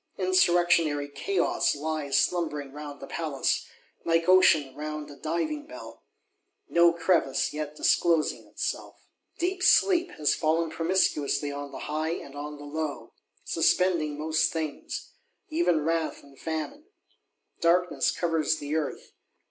Insurrectionary Chaos lies slumbering round the Palace, like Ocean round a Diving bell,—no crevice yet disclosing itself. Deep sleep has fallen promiscuously on the high and on the low; suspending most things, even wrath and famine. Darkness covers the Earth.